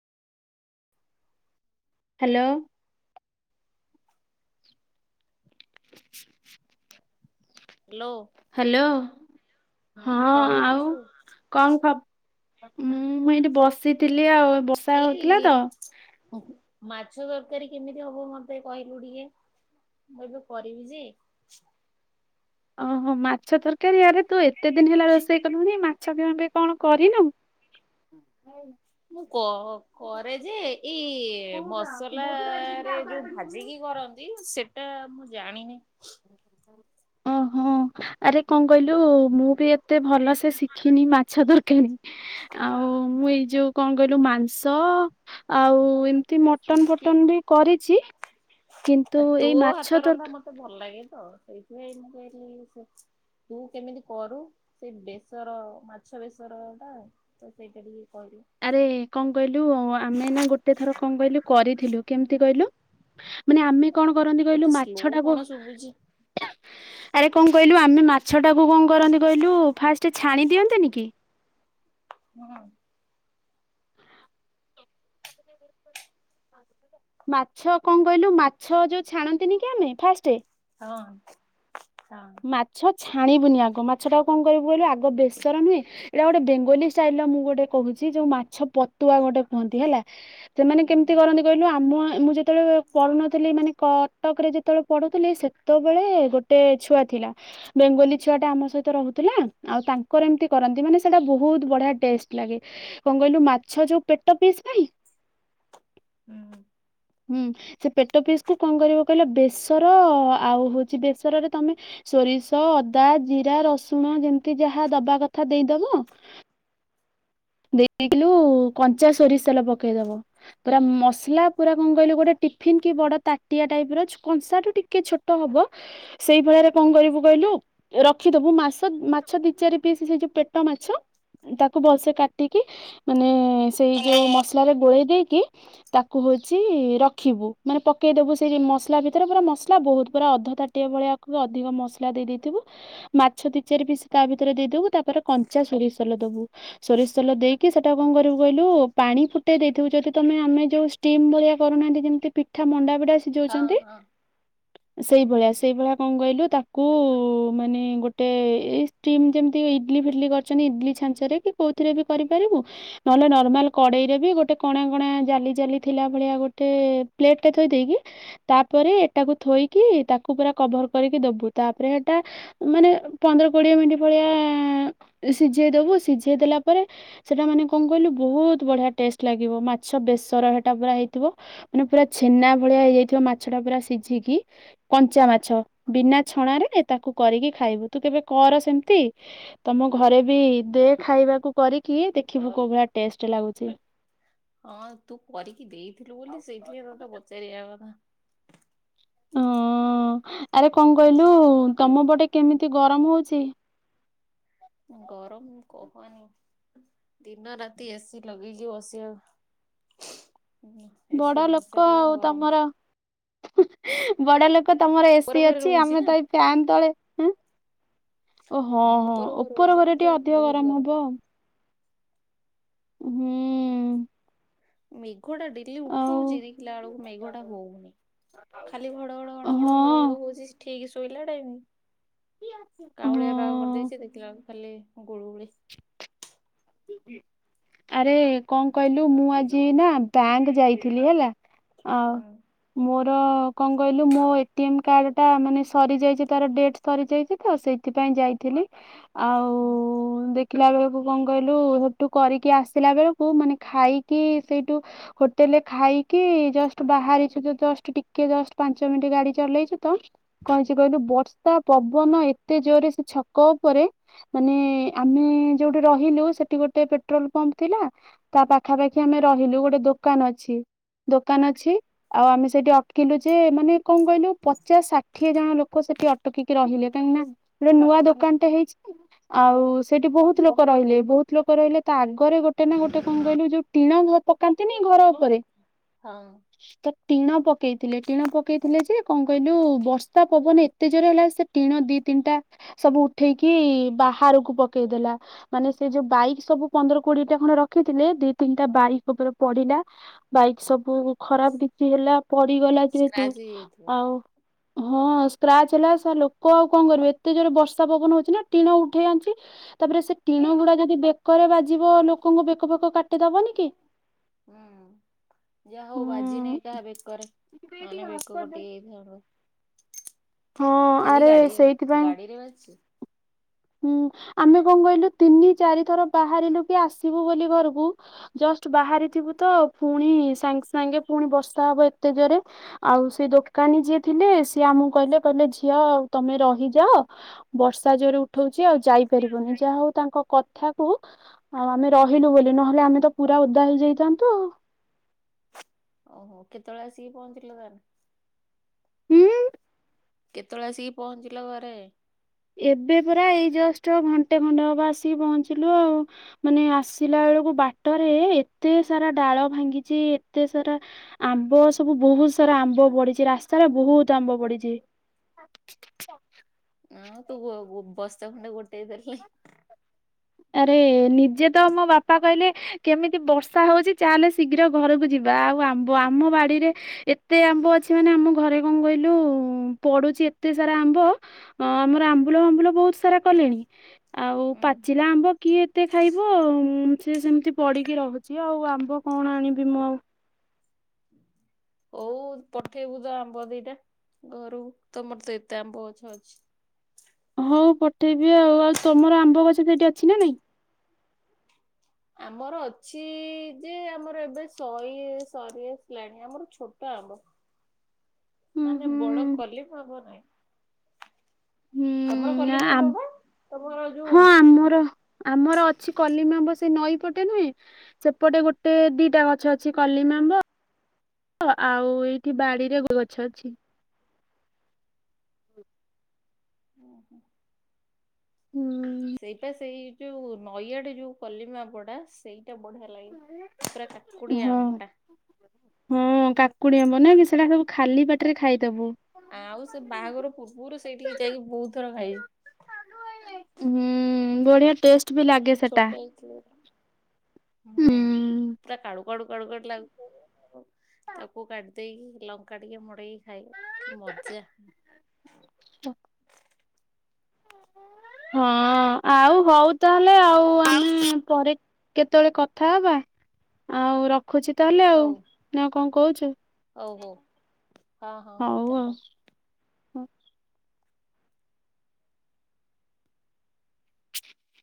Hello hello hello. ହଁ କଣ ଆଉ କରୁଛୁ? କଣ ଖବଁ? ମୁଁ ଏଇଠି ବସିଥିଲି ଆଉ। ବର୍ଷା ହଉଥିଲା ଏଇ ତ। ମାଛ ତରକାରୀ କେମିତି ହବ ମତେ କହିଲୁ ଟିକେ? ମୁଁ ଏବେ କରିବି ଯେ ଓହୋ। ମାଛ ତରକାରୀ? ରେ ତୁ ଏତେ ଦିନ ହେଲା ରୋଷେଇ କଲୁଣି ମାଛ କେମ୍ କଣ କରିନୁ? ମୁଁ କ- କରେ ଯେ, ଏଇ ମସଲା ରେ ଯୋଉ ଭାଜିକି କର ନ୍ତି, ସେଟା ମୁଁ ଜାଣିନି। ଓହୋ। ଆରେ କଣ କହିଲୁ ମୁଁ ବି ଏତେ ଭଲ ସେ ଶିଖିନି ମାଛ ତରକାରୀ। ଆଉ ମୁଁ ଏଇ ଯୋଉ କଣ କହିଲୁ ମାଂସ ଆଉ ଏମିତି ମଟନ, ଟିକେ ଫଟନ ବି କରିଛି, କିନ୍ତୁ ଆଉ ତୋ ଏଇ ହାତ ମାଛ ରନ୍ଧା ତର ମତେ ଭଲ ଲାଗେ ତ, ସେଇଥିପାଇ ମୁଁ କହିଲି ସେ ତୁ କେମିତି କରୁ? ସେଇ ବେସର ମାଛ ବେସର ଟା ତ ସେଇଟା ଟିକେ କହିଲୁ? ଆରେ କଣ କହିଲୁ, ଆମେ ନା ଗୋଟେ ଥର କଣ କହିଲୁ କରିଥିଲୁ। କେମି ତି, କହିଲୁ? ମାନେ ଆମେ କଣ କରନ୍ତି ଏତେ କହିଲୁ, ସ୍ଲୋ ମାଛଟା କଣ କୁ ଶୁଭୁଛି ଆରେ କଣ କହିଲୁ, ଆମେ ମାଛଟାକୁ କଣ କରନ୍ତି କହିଲୁ? ଫାଷ୍ଟ୍ ଛାଣି ଦିଅନ୍ତନି କି? ହୁଁ। ମାଛ କଣ କହିଲୁ? ମାଛ ଯୋଉ ଛାଣନ୍ତିନି କି ଆମେ ଫାଷ୍ଟ୍ ହଁ ହଁ। ମାଛ ଛାଣିବୁନି ଆଗ, ମାଛ ଟା କଣ କରିବୁ କହିଲୁ ଆଗ ବେସର ନୁହେଁ ଏଇଟା ଗୋଟେ ବେଙ୍ଗଲୀ ଷ୍ଟାଇଲ୍ ର ମୁଁ ଗୋଟେ କହୁଛି, ଯୋଉ ମାଛ ପତୁଆ ଗୋଟେ କୁହନ୍ତି ହେଲା। ସେମାନେ କେମିତି କରନ୍ତି କହିଲୁ? ଆମ ମୁଁ ଯେତେବେଳେ ପଢୁନଥିଲି ମାନେ କଟକରେ ଯେତେବେଳେ ପଢୁଥିଲି ସେ ସେତେବେଳେ ଗୋଟେ ଛୁଆ ଥିଲା। ବେଙ୍ଗୋଲି ଛୁଆଟା ଆମ ସହିତ ରହୁଥିଲା। ଆଉ ତାଙ୍କର ଏମିତି କରନ୍ତି। ମାନେ ସେଇଟା ବୋହୁତ୍ ବଢିଆ ଟେଷ୍ଟ୍ ଲାଗେ। କଣ କହିଲୁ, ମାଛ ଯୋଉ ପେଟ ପିସ୍ ନାହିଁ ହୁଁ। ହୁଁ। ସେ ପେଟ ପିସ୍ କୁ କଣ କରିବ କହିଲ? ବେସର ଆଉ ହଉଛି ବେସରରେ ତମେ ସୋରିଷ, ଅଦା, ଜିରା, ରସୁଣ ଯେମିତି ଯାହା ଦବା କଥା ଦେଇଦବ। ଦେଇଥିଲୁ କଞ୍ଚା ସୋରିଷ ତେଲ ପକେଇଦବ। ପୁରା ମସଲା, ପୁରା କଣ କହିଲୁ ଗୋଟେ ଟିଫନ୍ କି ବଡ ତାଟିଆ ଟାଇପ୍ ର କଂସା ଟୁ ଟିକେ ଛୋଟ ହବ ସେଇ ଭାଲିଆ ରେ କଣ କରିବୁ କହିଲୁ ରଖିଦବୁ। ମାସ ମାଛ ଦି ଚାରି ପିସ୍ ସେ ଯୋଉ ପେଟ ମାଛ, ତାକୁ ଭଲସେ କାଟ ଟିକି, ମାନେ ସେଇ ଯୋଉ ମସଲାରେ ଗୋଳେଇ ଦେଇକି ତାକୁ ହଉଛି ରଖିବୁ। ମାନେ ପକେଇଦବୁ, ସେଇ ମସଲା ଭିତରେ ପୁରା ମସଲା ବୋହୁତ୍ ପୁରା ଅଧ ତାଟିିଏ ଭଳିଆ କୁ ଅଧିକ ମସଲା ଦେଇ ଦେଇେ ଥିବୁ ମାଛ ଦି ଚାରି ପିସ୍ ତା ଭିତରେ ଦେଇଦବୁ, ତାପରେ କଞ୍ଚା ସୋରିଷ ତେଲ ଦବୁ। ସୋରିଷ ତେଲ ଦେଇକି ସେଟା କଁ କରିବୁ କହିଲୁ, ପାଣି ଫୁଟେଇ ଦେଇଥିବୁ, ଯଦି ତମେ ଆମେ ଯୋଉ ଷ୍ଟିମ୍ ଭଳିଆ କରୁନାହାନ୍ତି ଯେମିତି ପି ଠା, ମଣ୍ଡା ଫିଟା ହଁ ସିଯାଉଛନ୍ତି [inaudible] ସେଇଭଳିଆ। ସେଇ ଭଳିଆ କଣ କହିଲୁ, ତାକୁ ମାନେ ଗୋଟେ ଏ ଷ୍ଟିମ୍ ଯେମିତି ଇଡ୍ଲି, ଫିଟିଲି କରିଛନ୍ତି ଇଡ୍ଲି ଛାଞ୍ଚରେ, କି କୋଉଥିରେ ବି କରିପାରିବୁ ନହେଲେ ନର୍ମାଲ କଡେଇରେ ବି ଗୋଟେ, କଣା କଣା, ଜାଲି ଜାଲି ଥିଲା ଭଳିଆ ଗୋଟେ ପ୍ଲେଟ୍ ଥୋଇ ଦେଇକି ତାପରେ ଏଟାକୁ ଥୋଇକି ତାକୁ ପୁରା କଭର କରିକି ଦବୁ। ତାପରେ ହେଟା ମାନେ ପନ୍ଦର କୋଡିଏ ମିଣ୍ଟି ଭଳିଆ, ସିଝେଇ ଦବୁ। ସିଝେଇ ଦେଲା ପରେ ସେଟା ମାନେ କଣ କହିଲୁ, ବୋହୁତ୍ ବଢିଆ ଟେଷ୍ଟ୍ ଲାଗିବ ମାଛ ବେସର ହେଟା ପୁରା ହେଇଥିବ ମାନେ ପୁରା ଛେନା ଭଳିଆ ହେଇଯାଇଥିବ, ମାଛ ଟା ପୁରା ସିଝିକି କଞ୍ଚା ମାଛ। ବିନା ଛଣାରେ ତାକୁ କରିକି ଖାଇବୁ। ତୁ କେବେ କର ସେମିତି ତମ ଘରେ ବି ଦେ ଖାଇବାକୁ କରିକି, ଦେଖିବୁ କୋଉ ଭଳିଆ ଟେଷ୍ଟ ଲାଗୁଛି। ହଁ ତୁ କରିକି ଦେଇଥିଲୁ ବୋଲି ସେଇଥି ପାଇଁ ତତେ ପଚାରିବା କଥା ହଁ ଆରେ କଁ କହିଲୁ ତମ ପଟେ କେମିତି ଗରମ ହଉଛି। ଗରମ କହନି। ଦିନ ରାତି ଏସିି ଲଗେଇ କି ବସିବା କଥା ହଁ ବଡ ଏସି ଲୋକ ନଚାଲିଲେ ଆଉ ଗରମ ତମର ବଡ ଲୋକ ତମର ଉପର ଏସିି ଘରେ ଅଛି ରହୁଛି ଆମେ ନା ତ ଏ ଫ୍ୟାନ୍ ତଳେ ଓ ହଁ ମୁଁ ହଁ ଉପର ରହୁଛି ନା ଘରେ ତ ଟିକେ ଅଧିକ ବହୁତ ଗରମ ହଉଥିବ ଆଉ ହୁଁ ମେଘ ଟା ବି ଲି ଉଠଉଛିି ଦେଖିଲା ବେଳକୁ ମେଘଟା ହଉନି ଖାଲି ଘଡଘଡ ଆଉ ଘଡ଼ଘଡ ଘଡ ହଁ ଘଡ ହଉଛି। ଠିକ ଶୋଇଲା ଟାଇମ କାଉଁଳିଆ ବାଗ ହଁ କରିଦେଇଛି ଦେଖିଲା ବେଳକୁ କାଲି ଗୁଳୁ ଗୁଳି [inaudible] ଆରେ କଁ କଇଲୁ ମୁଁ ଆଜି ନା ବ୍ୟାଙ୍କ ଯାଇଥିଲି ହେଲା ଆ ହଁ ମୋର କଁ କହିଲୁ ମୋ ଏଟିଏମ୍ କାର୍ଡ ଟା ମାନେ ସରିଯାଇଛି ତାର ଡେଟ୍ ସରିଯାଇଛି ଆଉ ସେଇଥିପାଇଁ ଯାଇଥିଲି ଆଉ ଓ ଉ ଦେଖିଲା ବେଳକୁ କଁ କହିଲୁ ସେଠୁ କରିକି ଆସିଲା ବେଳକୁ ମାନେ ଖାଇକି ସେଇଠୁ ହୋଟେଲେ ଖାଇକି। କି ଜଷ୍ଟ ବାହାରିଛୁ ତ ଜଷ୍ଟ ଟିକେ ଜଷ୍ଟ ପାଞ୍ଚ ମିନ୍ତଟ ଗାଡି ଚଲେଇଛୁ ତ। କଁ ହେଇଛି କହିଲୁ ବର୍ଷା ପବନ ଏତେ ଜୋରେ ସେ ଛକ ଉପରେ। ମାନେ ଆମେ ଯୋଉଠି ର ହିଲୁ ସେଠି ଗୋଟେ ପେଟ୍ରୋଲ ପମ୍ପ ଥିଲା। ତା ପାଖାପାଖି ଆମେ ରହିଲୁ ଗୋଟେ ଦୋକାନ ଅଛି। ଦୋକାନ ଅଛି ଆଉ ଆମେ ସେଟି ଅଟ୍କିଲୁ ଯେ ମାନେ କ'ଣ କହିଲୁ ପଚାଶ ଷା ଠିଏ ଜଣ ଲୋକ ସେଠି ଅଟକିକି ରହିଲେ କାହିଁକି ନା ଗୋଟେ ନୂଆ ଦୋକାନଟା ହେଇଛି। ଆଉ ସେଠି ବହୁତ ଲୋକ କ ରହିଲେ ବହୁତ ଲୋକ ରହିଲେ ତା ଆଗରେ ଗୋଟେ ନା ଗୋଟେ କଁ କହିଲୁ ଯୋଉ ଟିଣ ପକାନ୍ତିନି ଘର ଉପରେ ହଁ ତ ଟିଣ ପକେଇଥିଲେ ଟିଣ ପକେଇଥିଲେ ଯେ କଁ କହିଲୁ ବର୍ଷା ପବନ ଏ ତେଜରେ ହେଲା ସେ ଟିଣ ଦି ତିନିଟା ସବୁ ଉଠେଇକି ବାହାରକୁ ପକେଇଦେଲା। ମାନେ ସେ ଯୋଉ ବାଇକ ସବୁ ପନ୍ଦର କୋଡିଏ ଟା ଖଣ୍ଡ ରଖିଥିଲେ ଦି ତିନିଟା ବାଇକ ଉପରେ ପଡିଲା। ବାଇକ୍ ସବୁ ଖରାପ କିଛି ହେଲା ପଡିଗଲା ଯେହେତୁ ସ୍କ୍ରାଚ ହେଇଯାଇଥିବ ଆଉ। ହଁ ସ୍କ୍ରାଚ ହେଲା ଲୋକ ଆଉ କଣ କରିବେ ଏତେ ଜୋରେ ବର୍ଷା ପବନ ହଉଛି ନା ଟିଣ ଉଠେଇ ଆଣିଛି। ତାପରେ ସେ ଟିଣ ଗୁଡା ଯଦି ବେକରେ ବାଜିବ ଲୋକଙ୍କୁ ବେକ ବେକ କାଟିଦବନି କି। ହଁ। ଯାହା ହଉ ବାଜି ନାଇ କାହା ବେକରେ ମାନେ ବେକ ହୁଁ। କୋଟି ଯାଇଥା। ହଁ ଖାଲି ଆରେ ଗାଡି ସେଇଥିପାଇଁ ଗାଡିରେ ବାସିଛି। ହୁଁ ଆମେ କ'ଣ କହିଲୁ ତିନି ଚାରି ଥର ବାହାରିଲୁ କି ଆସିବୁ ବୋଲି ଘରକୁ ଜଷ୍ଟ ବାହାରିଥିବୁ ତ ପୁଣି ସାଙ୍ଗେ ସାଙ୍ଗେ ପୁଣି ବର୍ଷା ହବ ଏତେ ଜୋରେ। ଆଉ ସେ ଦୋକାନୀ ଯିଏ ଥିଲେ ସିଏ ଆମକୁ କହିଲେ କହିଲେ ଝିଅ ଆଉ ତମେ ରହିଯାଅ ବର୍ଷା ଜୋରେ ଉଠଉଛି ଆଉ ଯାଇପାରିବନି ଯାହା ହଉ ତାଙ୍କ କଥା ଆଉ ଆମେ ରହିଲୁ ବୋଲି ନହେଲେ ଆମେ ତ ପୁରା ଉଦା ହେଇଯାଇଥାନ୍ତୁ ଆଉ। ଓହୋ କେତେବେଳେ ଆସିକି ପହଞ୍ଚିଲେ ତାହେଲେ। ହୁଁ କେତେବେଳେ ଆସିକି ପହଞ୍ଚିଲା ଘରେ? ଏବେ ପୁରରା ଏଇ ଜଷ୍ଟ ଘଣ୍ଟେ ଘଟେ ହବା ଆସିକି ପହଞ୍ଚିଲୁ ଆଉ। ମାନେ ଆସିଲା ବେଳକୁ ବାଟରେ ଏତେ ସାରା ଡାଳ ଭାଙ୍ଗିଛି ଏତେ ସାରା ଆମ୍ବ ସବୁ ବହୁତ ସାରା ଆମ୍ବ ବଡିିଛି ରାସ୍ତାରେ ବହୁତ ଆମ୍ବ ବଡିଛି। ନାଁ ତୁ ବସ୍ତା ଖଣ୍ଡେ ଗୋଟେ ଦେରିଲ। ଆରେ ନିଜେ ତ ମୋ ବାପା କହିଲେ। କେମିତି ବର୍ଷା ହୋଉଚି ଚାଲେ ଶୀଘ୍ର ଘରକୁ ଯିବା ଆଉ ଆମ୍ବ ଆମ ବାଡିରେ ଏତେ ଆମ୍ବ ଅଛି ମାନେ ଆମ ଘରେ କଣ କହିଲୁ ପଡୁଚି ଏତେ ସାରା ଆମ୍ବ ଅଁ ଆମର ଆମ୍ବୁଲ ଫାମ୍ବୁଲ ବୋହୁତ ସାରା କଲେଣି ଆଉ ପା ଏ ଆମ୍ବ କିଏ ଏତେ ଖାଇବ ସିଏ ସେମତି ପଡ଼ିକି ରହୁଚି ଆଉ ଆମ୍ବ କଣ ଆଣିବି ମୁଁ ଆଉ। ହୋଉ ପଠେଇବୁ ତ ଆମ୍ବ ଦିଇଟା ଘରୁକୁ ତମର ତ ଏତେ ଆମ୍ବଗଛ ଅଛି। ହହଉ ପଠେଇବି ଆଉ ଆଉ ତମର ଆମ୍ବ ଗଛ ସେଇଠି ଅଛି ନା ନାଇଁ? ଆମର ଅଛି ଯେ ଆମର ଏବେ ସରି ସରି ଆସିଲାଣି ଆମର ଛୋଟ ଆମ୍ବ। ହୁଁ ମାନେ ବଡ ହୁଁ। କଲିମ ଆମ୍ବ ନାଇଁ। ହୁଁ ତମର କଲିମୀ ଆମ୍ବ ପା ତମର ଏଇ ଯୋଉ ହଁ ଆମର ଆମର ଅଛି କଲିମୀ ଆମ୍ବ ସେ ନଈ ପଟେ ନୁହେଁ ସେପଟେ ଗୋଟେ ଦିଟା ଗଛ ଅ ଅଛି କଲିମ ଆମ୍ବ ଆଉ ଏଇଠି ବାଡିରେ [inaudible] ଗଛ ଅଛି। ହୁଁ। ସେଇପା ସେଇ ଯୋଉ ନଈ ଆଡେ ଯୋଉ କଲିମୀ ଆମ୍ବଟା ସେଇଟା ବଢିଆ ଲାଗେ ପୁରା କାକୁଡିଆ ହଁ ଆମ୍ବଟା। ହଁ କାକୁଡି ଆମ୍ବ ନାକି ସେଟା ସବୁ ଖାଲି ପାଟରେ ଖାଇଦୋବୁ। ଆଉ ସେ ବାହାଘର ପୂର୍ବରୁ ସେଇଠିକି ଯାଇକି ବୋହୁତ ଥର ଖାଇଚି। ହୁଁ ବଢିଆ ଟେଷ୍ଟ। ବି ଲାଗେ ଏ ସେଟା ଛୋଟ ହେଇଥିଲି ହୁଁ ହୁଁ। ପୁରା କାଡୁ କାଡ଼ୁ କାଡ଼ୁ କାଡୁ ଲାଗୁଥୁବ ଯେ [inaudible] ତାକୁ କାଟି ଦେଇକି ଲଙ୍କା ଟିକେ ମଡେଇକି ଖାଇବୁ କି ମଜା। [inaudible] ହଁ ଆଉ ହୋଉ ତାହେଲେ ଆଉ ଆମେ ପରେ କେତୋଳେ କଥା ହବା ଆଉ ରଖୁଚି ତାହେଲେ ଆଉ ନା ଆଉ କଣ କୋହୁଚୁ। ହୋଉ ହୋଉ ହଁ ହଁ ହୋଉ ହଉ ତାନେ ରଖ। ଆଉ। [inaudible]